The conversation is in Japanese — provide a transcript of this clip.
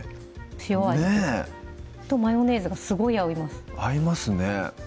塩味とマヨネーズがすごい合います合いますね